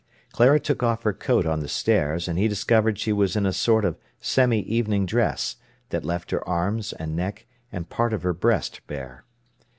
Clara took off her coat on the stairs, and he discovered she was in a sort of semi evening dress, that left her arms and neck and part of her breast bare.